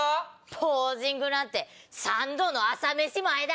ポージングなんて三度の朝飯前だ！